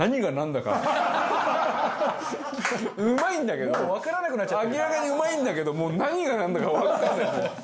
うまいんだけど明らかにうまいんだけどもう何がなんだかわかんない。